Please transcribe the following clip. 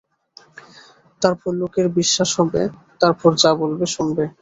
তারপর লোকের বিশ্বাস হবে, তারপর যা বলবে শুনবে।